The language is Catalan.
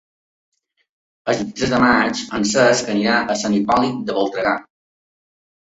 El vint-i-tres de maig en Cesc anirà a Sant Hipòlit de Voltregà.